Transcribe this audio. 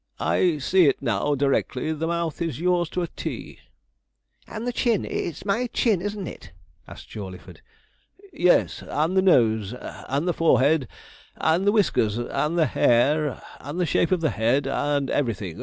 'I see it now, directly; the mouth is yours to a T.' 'And the chin. It's my chin, isn't it?' asked Jawleyford. 'Yes; and the nose, and the forehead, and the whiskers, and the hair, and the shape of the head, and everything.